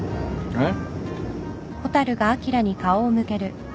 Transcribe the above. えっ？